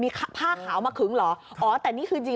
มีผ้าขาวมาขึงเหรออ๋อแต่นี่คือจริง